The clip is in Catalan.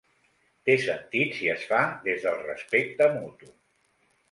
Té sentit si es fa des del respecte mutu.